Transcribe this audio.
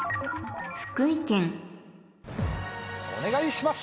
お願いします！